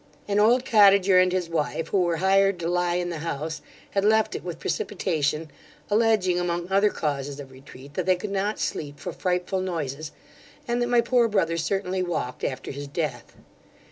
'An old cottager and his wife, who were hired to lie in the house, had left it with precipitation, alledging, among other causes of retreat, that they could not sleep for frightful noises, and that my poor brother certainly walked after his death.